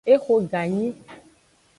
Exo ganyi.